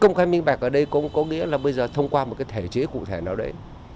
công khai minh bạch ở đây cũng có nghĩa là bây giờ thông qua một cái thể chế cụ thể nào đấy